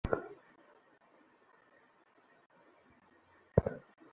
এই দুর্ঘটনাটি অন্য কোনো দুর্ঘটনার মতো নয়।